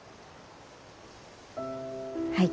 はい。